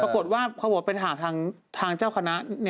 ปรากฏว่าเขาบอกว่าไปถามทางเจ้าคณะ